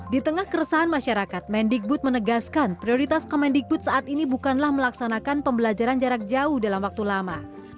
di tengah keresahan masyarakat mendikbud menegaskan prioritas kemendikbud saat ini bukanlah melaksanakan pembelajaran jarak jauh dalam waktu lama